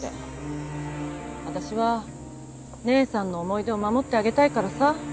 私は姉さんの思い出を守ってあげたいからさ。